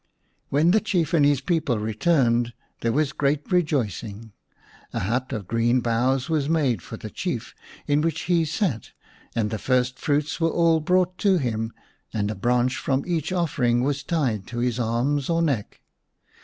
When the Chief and his people returned there was great rejoicing. A hut of green boughs was made for the Chief, in which he sat, and the first fruits were all brought to him, and a branch from each offering was tied to his arms or neck.